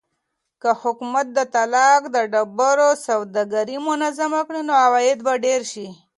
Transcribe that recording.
که حکومت د تالک د ډبرو سوداګري منظمه کړي نو عواید به ډېر شي.